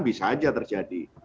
bisa saja terjadi